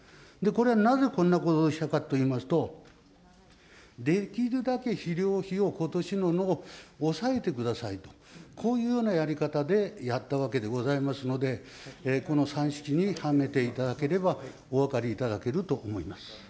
これはなぜ、こんなことをしたかといいますと、できるだけ肥料費をことしの抑えてくださいと、こういうようなやり方でやったわけでございますので、この算式にはめていただければ、石川香織君。